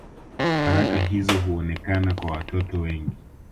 Baraka hizo huonekana kwa watoto wengi